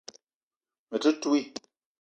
Me te ntouii